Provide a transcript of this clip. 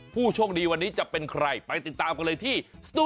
ผู้โชคดีวันนี้จะเป็นใครไปติดตามกันเลยที่สตู